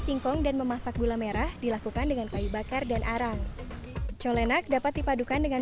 singkong dan memasak gula merah dilakukan dengan kayu bakar dan arang colenak dapat dipadukan dengan